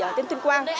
ở tên tuyên quang